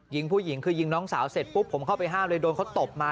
ผู้หญิงคือยิงน้องสาวเสร็จปุ๊บผมเข้าไปห้ามเลยโดนเขาตบมา